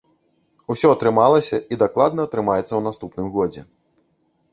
Усё атрымалася, і дакладна атрымаецца ў наступным годзе.